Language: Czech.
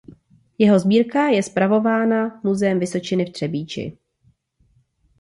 Jeho sbírka je spravována Muzeem Vysočiny v Třebíči.